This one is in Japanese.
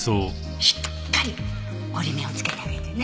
しっかり折り目をつけてあげてね。